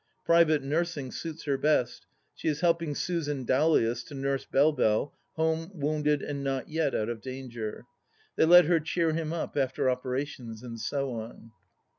Private nursing suits her best ; she is helping Susan Dowlais to nurse Belle Belle, home, wounded, and not yet out of danger. They let her cheer him up after operations, and so on.